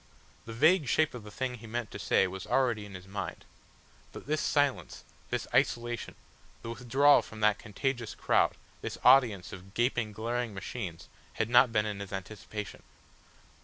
The vague shape of the thing he meant to say was already in his mind. But this silence, this isolation, the withdrawal from that contagious crowd, this audience of gaping, glaring machines, had not been in his anticipation.